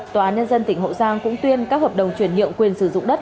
tòa án nhân dân tỉnh hậu giang cũng tuyên các hợp đồng chuyển nhượng quyền sử dụng đất